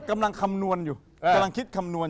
คำนวณอยู่กำลังคิดคำนวณ